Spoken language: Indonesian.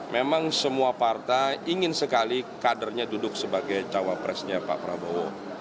memang semua partai ingin sekali kadernya duduk sebagai cawapresnya pak prabowo